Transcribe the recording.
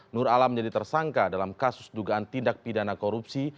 nur alam menjadi tersangka dalam kasus dugaan tindak pidana korupsi